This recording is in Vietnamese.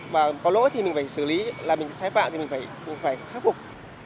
mà có lỗi thì mình phải xử lý là mình sai phạm thì mình phải khắc phục